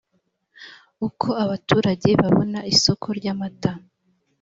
uko abaturage babona isoko ry’amata